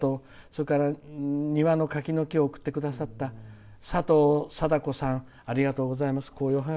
それから庭の柿の木を送ってくださったさとうさだこさんありがとうございます。